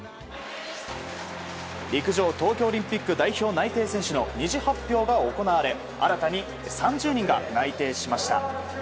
陸上東京オリンピック代表内定選手の２次発表が行われ新たに３０人が内定しました。